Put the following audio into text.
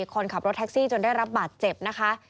คนขับรถแท็กซี่จนได้รับบาดเจ็บนะคะ